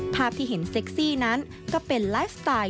ภาพที่เห็นเซ็กซี่นั้นก็เป็นไลฟ์สไตล์